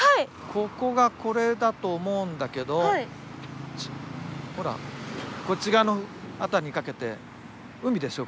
ここがこれだと思うんだけどほらこっち側の辺りにかけて海でしょ。